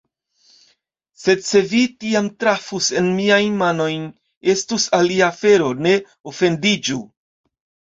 Sed se vi tiam trafus en miajn manojn, estus alia afero, ne ofendiĝu!